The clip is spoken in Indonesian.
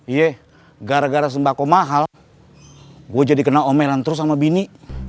yeh gara gara sembako mahal gue jadi kenal omelan terus sama bini